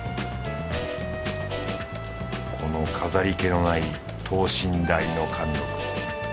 この飾り気のない等身大の貫禄。